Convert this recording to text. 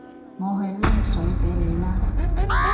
我去拎水畀你啦